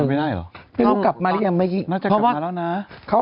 น่าจะกลับมาแล้วนะ